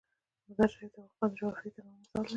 مزارشریف د افغانستان د جغرافیوي تنوع مثال دی.